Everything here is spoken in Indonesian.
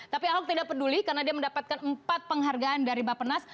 tapi ahok tidak peduli karena dia mendapatkan empat penghargaan dari bapak nas